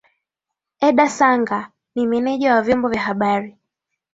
edda sanga ni meneja wa vyombo vya habari